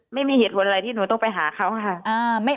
ไม่มีเหตุผลอะไรที่หนูต้องไปหาเขาค่ะ